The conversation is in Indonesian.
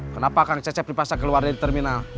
kenapa kang cecep dipaksa keluar dari terminal